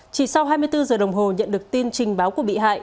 chỉ sau hai mươi bốn giờ đồng hồ nhận được tin trình báo của bị hại